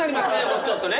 もうちょっとね。